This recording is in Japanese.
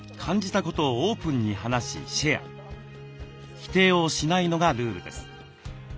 否定をしないのがルールです。